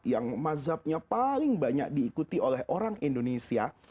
yang mazhabnya paling banyak diikuti oleh orang indonesia